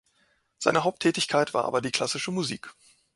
Sein Haupttätigkeit war aber die klassische Musik.